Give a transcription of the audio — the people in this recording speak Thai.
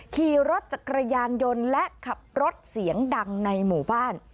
ขี่รถจักรยานยนต์และขับรถเสียงดังในหมู่บ้าน